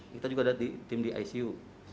kita juga ada di tim di icu